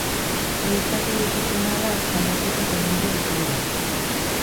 Ziurtatu daitekeena da aldaketak egingo dituela.